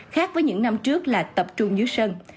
khác với những năm trước là tập trung dưới sân